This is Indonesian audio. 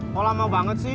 kok lama banget sih